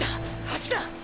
橋だ！！